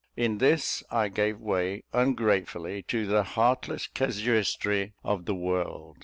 In this I gave way, ungratefully, to the heartless casuistry of the world.